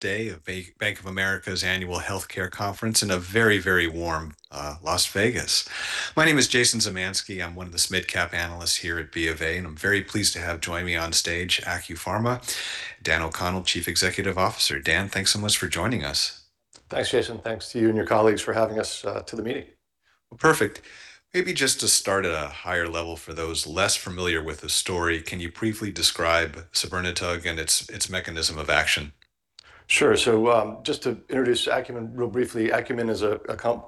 Day of Bank of America's Annual Healthcare Conference in a very, very warm Las Vegas. My name is Jason Zemansky. I'm one of the midcap analysts here at Bank of America, and I'm very pleased to have join me on stage, Acumen, Daniel O'Connell, Chief Executive Officer. Daniel, thanks so much for joining us. Thanks, Jason, thanks to you and your colleagues for having us to the meeting. Well, perfect. Just to start at a higher level for those less familiar with the story, can you briefly describe sabirnetug and its mechanism of action? Sure. Just to introduce Acumen real briefly, Acumen is a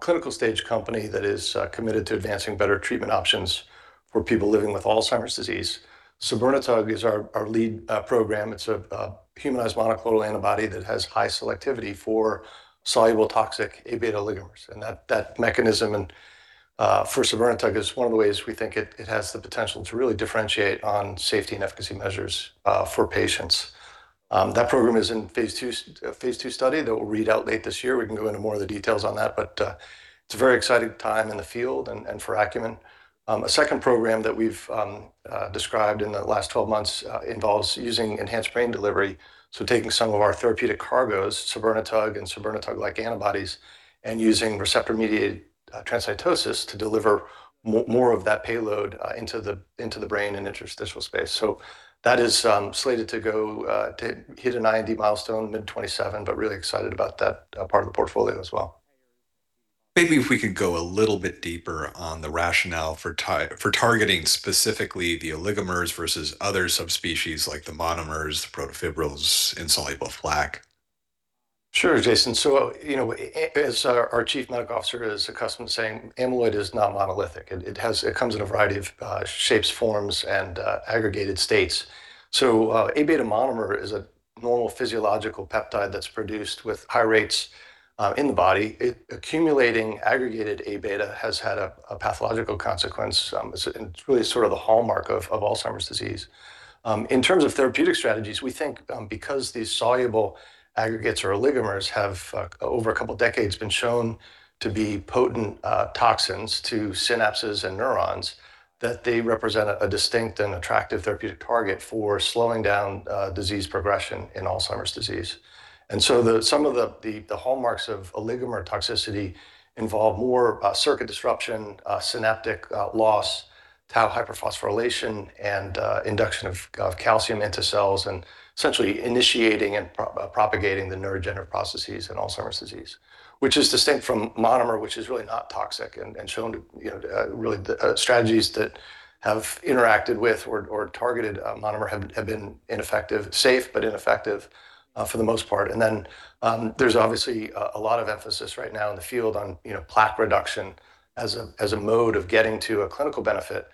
clinical stage company that is committed to advancing better treatment options for people living with Alzheimer's disease. sabirnetug is our lead program. It's a humanized monoclonal antibody that has high selectivity for soluble toxic Aβ oligomers, and that mechanism and for sabirnetug is one of the ways we think it has the potential to really differentiate on safety and efficacy measures for patients. That program is in phase II study that will read out late this year. We can go into more of the details on that, but it's a very exciting time in the field and for Acumen. A second program that we've described in the last 12 months involves using enhanced brain delivery, taking some of our therapeutic cargos, sabirnetug and sabirnetug-like antibodies, and using receptor-mediated transcytosis to deliver more of that payload into the brain and interstitial space. That is slated to go to hit an IND milestone mid 2027, really excited about that part of the portfolio as well. Maybe if we could go a little bit deeper on the rationale for targeting specifically the oligomers versus other subspecies, like the monomers, the protofibrils, and soluble plaque. Sure, Jason. You know, as our chief medical officer is accustomed saying, "Amyloid is not monolithic." It comes in a variety of shapes, forms, and aggregated states. A-beta monomer is a normal physiological peptide that's produced with high rates in the body. It accumulating aggregated A-beta has had a pathological consequence. It's really sort of the hallmark of Alzheimer's disease. In terms of therapeutic strategies, we think, because these soluble aggregates or oligomers have over a couple decades been shown to be potent toxins to synapses and neurons, that they represent a distinct and attractive therapeutic target for slowing down disease progression in Alzheimer's disease. The hallmarks of oligomer toxicity involve more circuit disruption, synaptic loss, tau hyperphosphorylation, and induction of calcium into cells, and essentially initiating and propagating the neurodegenerative processes in Alzheimer's disease, which is distinct from monomer, which is really not toxic and shown to, you know, really strategies that have interacted with or targeted monomer have been ineffective, safe, but ineffective, for the most part. There's obviously a lot of emphasis right now in the field on, you know, plaque reduction as a mode of getting to a clinical benefit.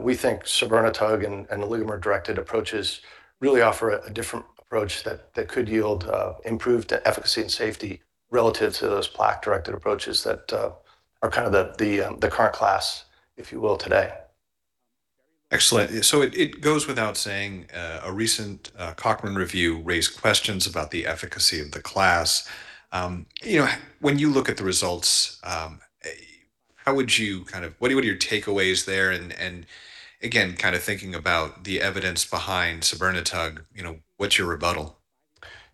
We think sabirnetug and oligomer-directed approaches really offer a different approach that could yield improved efficacy and safety relative to those plaque-directed approaches that are kind of the current class, if you will, today. Excellent. It goes without saying, a recent Cochrane review raised questions about the efficacy of the class. you know, when you look at the results, how would you what are your takeaways there? Again, kinda thinking about the evidence behind sabirnetug, you know, what's your rebuttal?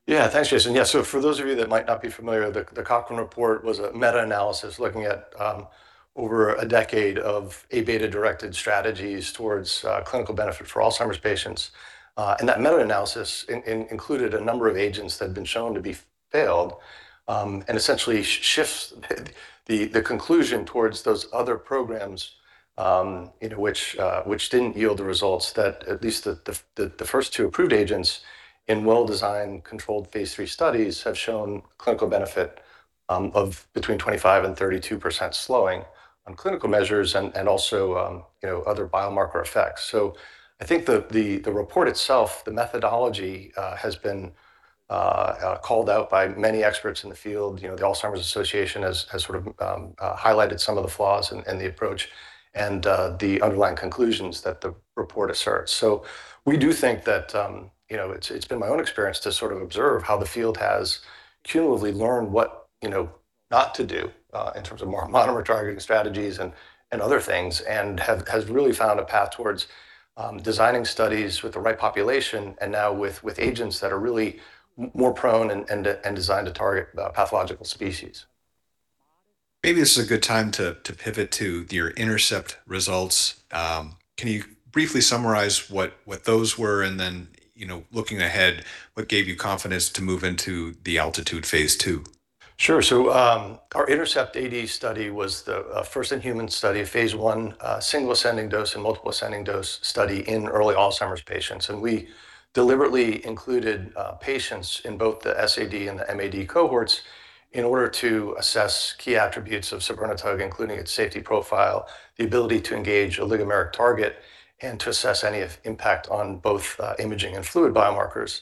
Thanks, Jason Zemansky. For those of you that might not be familiar, the Cochrane report was a meta-analysis looking at over a decade of A-beta-directed strategies towards clinical benefit for Alzheimer's patients. That meta-analysis included a number of agents that had been shown to be failed and essentially shifts the conclusion towards those other programs, you know, which didn't yield the results that at least the first two approved agents in well-designed, controlled phase III studies have shown clinical benefit of between 25% and 32% slowing on clinical measures and also, you know, other biomarker effects. I think the report itself, the methodology, has been called out by many experts in the field. You know, the Alzheimer's Association has sort of highlighted some of the flaws in the approach and the underlying conclusions that the report asserts. We do think that, you know, it's been my own experience to sort of observe how the field has cumulatively learned what, you know, not to do in terms of more monomer targeting strategies and other things, and has really found a path towards designing studies with the right population and now with agents that are really more prone and designed to target the pathological species. Maybe this is a good time to pivot to your INTERCEPT results, can you briefly summarize what those were and then, you know, looking ahead, what gave you confidence to move into the ALTITUDE phase II? Sure. Our INTERCEPT-AD study was the first-in-human study, a phase I single ascending dose and multiple ascending dose study in early Alzheimer's patients. We deliberately included patients in both the SAD and the MAD cohorts in order to assess key attributes of sabirnetug, including its safety profile, the ability to engage oligomeric target, and to assess any impact on both imaging and fluid biomarkers.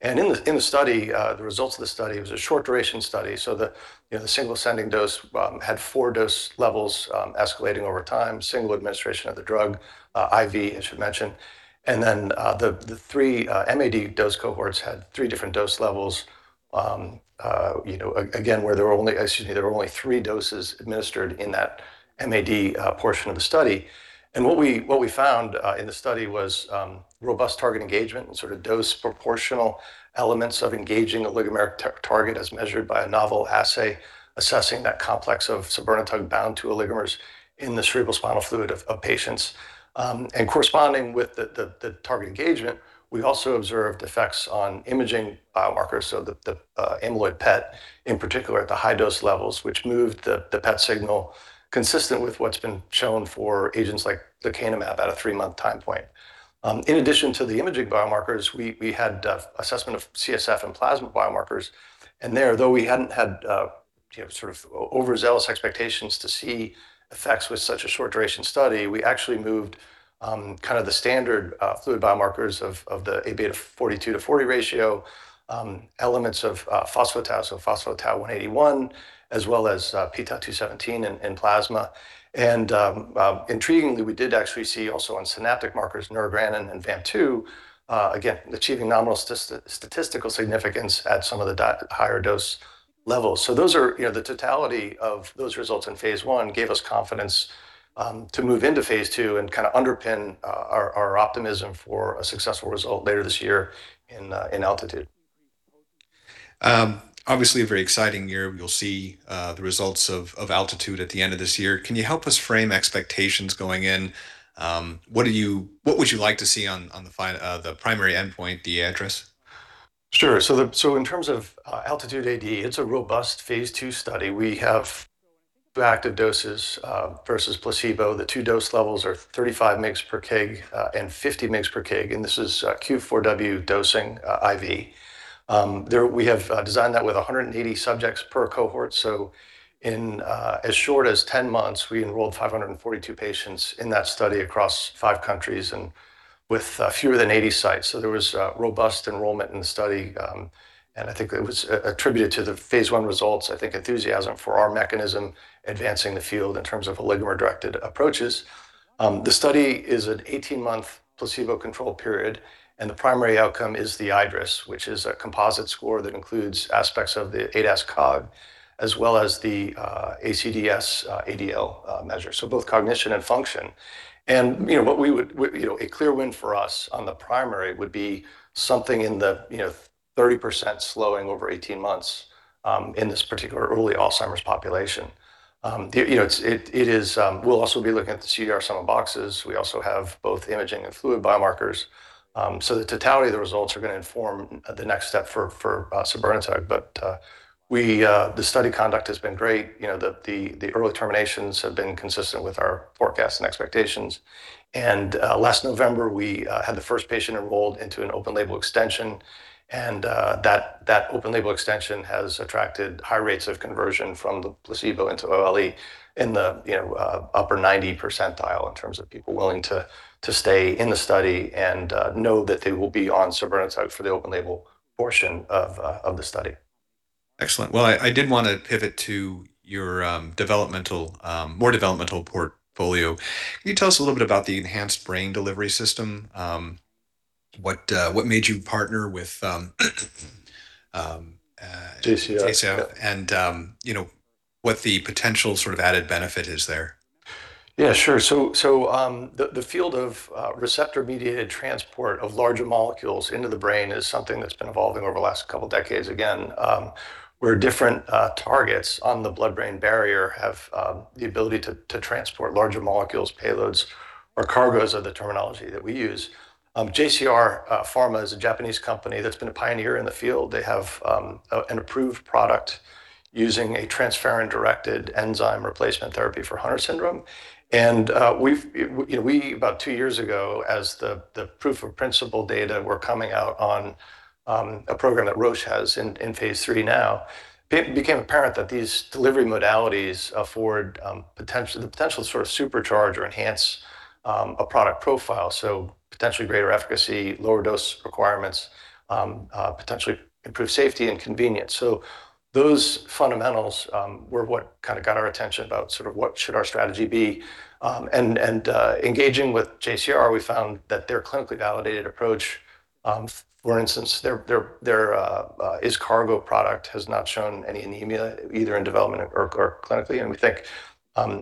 In the study, the results of the study, it was a short duration study, so the, you know, the single ascending dose had four dose levels escalating over time, single administration of the drug, IV, I should mention. Then, the three MAD dose cohorts had three different dose levels. You know, again, Excuse me. There were only three doses administered in that MAD portion of the study. What we found in the study was robust target engagement and sort of dose proportional elements of engaging oligomeric target as measured by a novel assay assessing that complex of sabirnetug bound to oligomers in the cerebrosspinal fluid of patients. Corresponding with the target engagement, we also observed effects on imaging biomarkers, so the amyloid PET in particular at the high dose levels, which moved the PET signal consistent with what's been shown for agents like lecanemab at a three-month time point. In addition to the imaging biomarkers, we had assessment of CSF and plasma biomarkers, and there, though we hadn't had sort of overzealous expectations to see effects with such a short duration study, we actually moved kind of the standard fluid biomarkers of the Abeta 42/40 ratio, elements of phospho-tau, so p-tau181, as well as p-tau217 in plasma. Intriguingly, we did actually see also on synaptic markers, neurogranin and VAMP2, again, achieving nominal statistical significance at some of the higher dose levels. Those are, the totality of those results in phase I gave us confidence to move into phase II and kinda underpin our optimism for a successful result later this year in ALTITUDE-AD. Obviously a very exciting year. We'll see the results of ALTITUDE-AD at the end of this year. Can you help us frame expectations going in? What would you like to see on the primary endpoint, the ADAS-Cog? Sure. In terms of ALTITUDE-AD, it's a robust phase II study. We have two active doses versus placebo. The two dose levels are 35 mg/kg and 50 mg/kg, and this is Q4W dosing IV. There we have designed that with 180 subjects per cohort, so in as short as 10 months, we enrolled 542 patients in that study across five countries, and with fewer than 80 sites. There was robust enrollment in the study, and I think it was attributed to the phase I results, I think enthusiasm for our mechanism advancing the field in terms of oligomer-directed approaches. The study is an 18-month placebo control period, and the primary outcome is the iADRS, which is a composite score that includes aspects of the ADAS-Cog, as well as the ADCS ADL measure, so both cognition and function. You know, what we would You know, a clear win for us on the primary would be something in the, you know, 30% slowing over 18 months in this particular early Alzheimer's population. You know, it's, it is We'll also be looking at the Clinical Dementia Rating Sum of Boxes. We also have both imaging and fluid biomarkers. The totality of the results are gonna inform the next step for sabirnetug. We the study conduct has been great. You know, the early terminations have been consistent with our forecast and expectations. Last November, we had the first patient enrolled into an open-label extension, and that open-label extension has attracted high rates of conversion from the placebo into OLE in the, you know, upper 90 percentile in terms of people willing to stay in the study and know that they will be on sabirnetug for the open-label portion of the study. Excellent. Well, I did wanna pivot to your developmental, more developmental portfolio. Can you tell us a little bit about the Enhanced Brain Delivery System? What made you partner with? JCR JCR? You know, what the potential sort of added benefit is there? Yeah, sure. The field of receptor-mediated transport of larger molecules into the brain is something that's been evolving over the last couple decades. Again, where different targets on the blood-brain barrier have the ability to transport larger molecules, payloads, or cargos are the terminology that we use. JCR Pharmaceuticals is a Japanese company that's been a pioneer in the field. They have an approved product using a transferrin-directed enzyme replacement therapy for Hunter syndrome. You know, we, about two years ago, as the proof of principle data were coming out on a program that Roche has in phase III now, became apparent that these delivery modalities afford the potential sort of supercharge or enhance a product profile. Potentially greater efficacy, lower dose requirements, potentially improve safety and convenience. Those fundamentals were what kind of got our attention about sort of what should our strategy be. Engaging with JCR, we found that their clinically validated approach, for instance, their IZCARGO product has not shown any anemia either in development or clinically. We think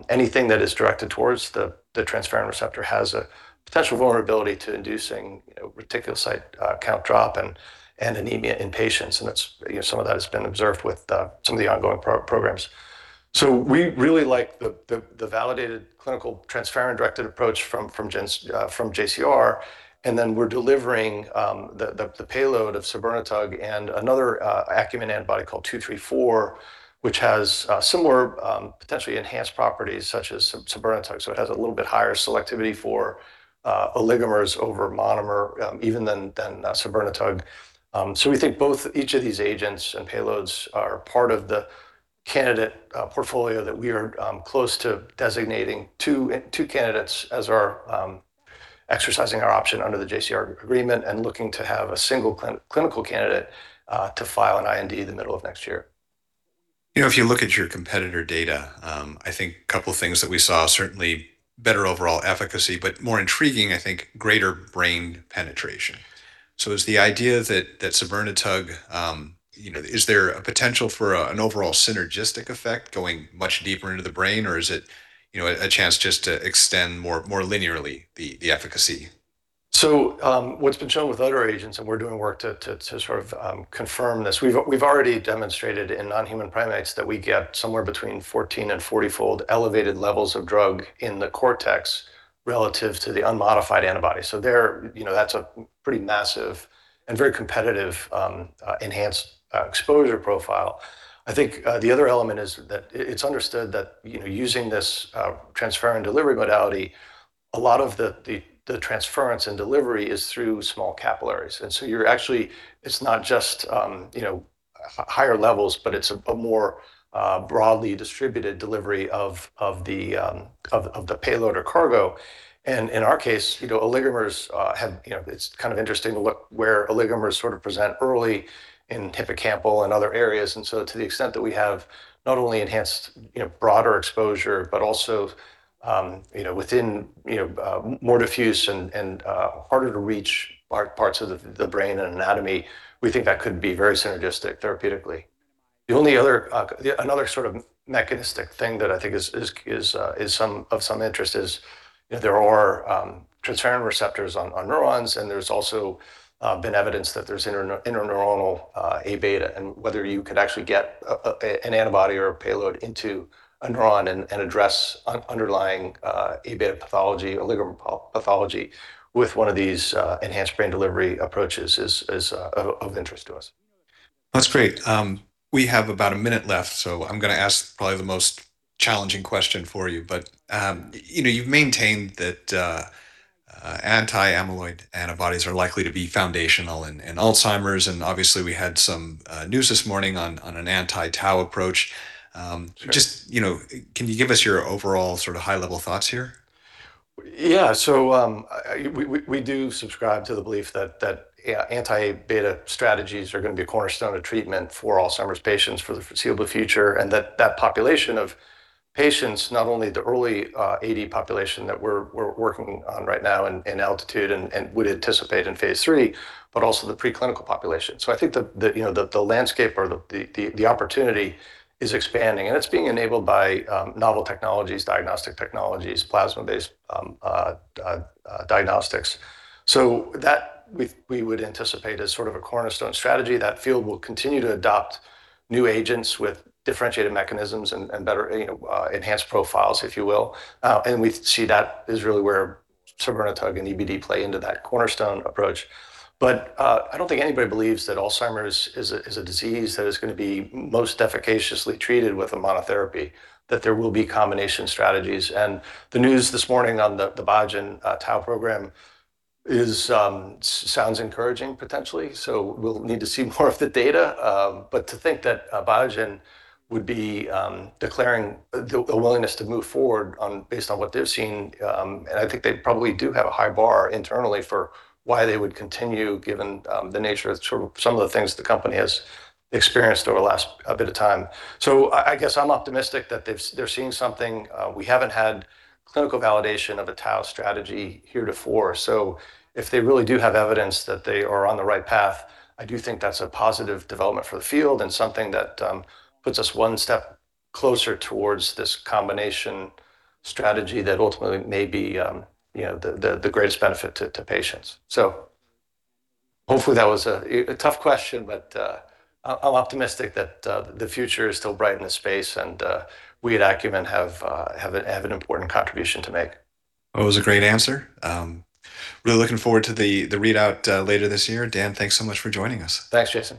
anything that is directed towards the transferrin receptor has a potential vulnerability to inducing reticulocyte count drop and anemia in patients, and that's, you know, some of that has been observed with some of the ongoing programs. We really like the, the validated clinical transferrin-directed approach from J-Brain, from JCR, and then we're delivering the, the payload of sabirnetug and another Acumen antibody called ACU-234, which has similar, potentially enhanced properties such as sabirnetug. It has a little bit higher selectivity for oligomers over monomer, even than sabirnetug. We think both each of these agents and payloads are part of the candidate portfolio that we are close to designating two candidates as our exercising our option under the JCR agreement and looking to have a single clinical candidate to file an IND the middle of next year. You know, if you look at your competitor data, I think a couple things that we saw, certainly better overall efficacy, but more intriguing, I think, greater brain penetration. Is the idea that sabirnetug, you know, is there a potential for a, an overall synergistic effect going much deeper into the brain? Is it, you know, a chance just to extend more, more linearly the efficacy? What's been shown with other agents, and we're doing work to sort of confirm this, we've already demonstrated in non-human primates that we get somewhere between 14 and 40-fold elevated levels of drug in the cortex relative to the unmodified antibody. There, you know, that's a pretty massive and very competitive enhanced exposure profile. I think, the other element is that it's understood that, you know, using this transfer and delivery modality, a lot of the transference and delivery is through small capillaries. You're actually. It's not just, you know, higher levels, but it's a more broadly distributed delivery of the payload or cargo. In our case, you know, oligomers, have, you know, it's kind of interesting to look where oligomers sort of present early in hippocampal and other areas. To the extent that we have not only enhanced, you know, broader exposure, but also, you know, within, you know, more diffuse and, harder to reach parts of the brain and anatomy, we think that could be very synergistic therapeutically. The only other, the another sort of mechanistic thing that I think is, is some, of some interest is, you know, there are, transferrin receptors on neurons, and there's also, been evidence that there's Intraneuronal, Abeta. Whether you could actually get an antibody or a payload into a neuron and address underlying A-beta pathology, oligomer pathology with one of these enhanced brain delivery approaches is of interest to us. That's great. We have about one minute left, so I'm gonna ask probably the most challenging question for you. You know, you've maintained that anti-amyloid antibodies are likely to be foundational in Alzheimer's, and obviously we had some news this morning on an anti-tau approach. Sure Just, you know, can you give us your overall sort of high level thoughts here? Yeah. We do subscribe to the belief that A-beta strategies are gonna be a cornerstone of treatment for Alzheimer's patients for the foreseeable future, and that that population of patients, not only the early AD population that we're working on right now in ALTITUDE-AD and would anticipate in phase III, but also the preclinical population. I think the, you know, the landscape or the opportunity is expanding, and it's being enabled by novel technologies, diagnostic technologies, plasma-based diagnostics. That we would anticipate as sort of a cornerstone strategy. That field will continue to adopt new agents with differentiated mechanisms and better, you know, enhanced profiles, if you will. We see that is really where sabirnetug and EBD play into that cornerstone approach. I don't think anybody believes that Alzheimer's is a disease that is gonna be most efficaciously treated with a monotherapy, that there will be combination strategies. The news this morning on the Biogen tau program sounds encouraging potentially, so we'll need to see more of the data. To think that Biogen would be declaring the willingness to move forward on, based on what they've seen, and I think they probably do have a high bar internally for why they would continue given the nature of sort of some of the things the company has experienced over the last a bit of time. I guess I'm optimistic that they're seeing something. We haven't had clinical validation of a tau strategy heretofore. If they really do have evidence that they are on the right path, I do think that's a positive development for the field and something that puts us one step closer towards this combination strategy that ultimately may be, you know, the greatest benefit to patients. Hopefully that was a tough question, but I'm optimistic that the future is still bright in this space and we at Acumen have an important contribution to make. It was a great answer. Really looking forward to the readout later this year. Daniel, thanks so much for joining us. Thanks, Jason.